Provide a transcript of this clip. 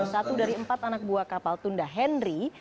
satu dari empat anak buah kapal tunda henry